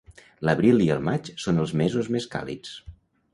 L'abril i el maig són els mesos més càlids.